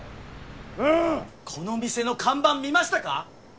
この店の看板見ましたか？